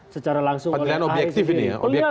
pelayanan objektif ini ya